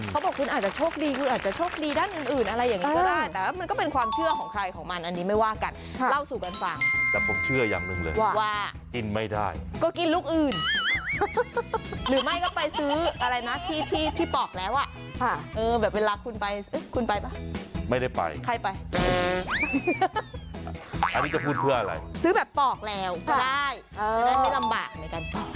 เขาบอกคุณอาจจะโชคดีคุณอาจจะโชคดีด้านอื่นอะไรอย่างนี้ก็ได้